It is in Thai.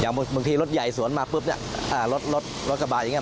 อย่างบางทีรถใหญ่สวนมาปุ๊บเนี้ยอ่ารถรถกระบาดอย่างเงี้ย